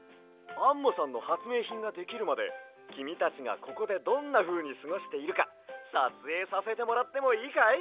アンモさんのはつめいひんができるまできみたちがここでどんなふうにすごしているかさつえいさせてもらってもいいかい？